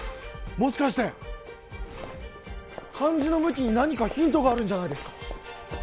もしかして漢字の向きに何かヒントがあるんじゃないですか？